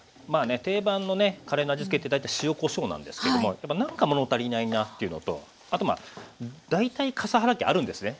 定番のねカレーの味付けって大体塩・こしょうなんですけどもやっぱなんか物足りないなっていうのとあと大体笠原家あるんですね。